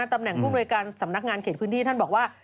ตำแหน่งผู้มนวยการสำนักงานเขตพื้นที่ท่านบอกว่า